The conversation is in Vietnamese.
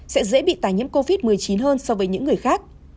sẽ dễ bị tài nhiễm covid một mươi chín hơn so với những người khác